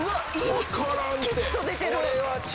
分からんって。